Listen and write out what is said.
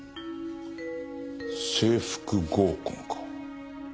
制服合コンか。